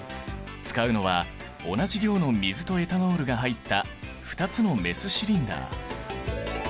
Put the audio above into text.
使うのは同じ量の水とエタノールが入った２つのメスシリンダー。